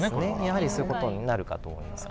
やはりそういう事になるかと思います